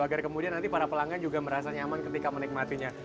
agar kemudian nanti para pelanggan juga merasa nyaman ketika menikmatinya